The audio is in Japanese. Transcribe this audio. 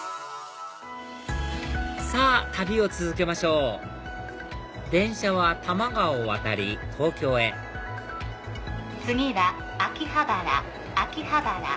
さぁ旅を続けましょう電車は多摩川を渡り東京へ次は秋葉原秋葉原。